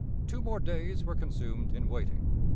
Two more days were consumed in waiting.